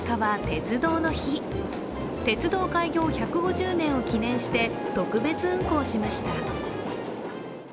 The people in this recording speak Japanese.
鉄道開業１５０年を記念して特別運行しました。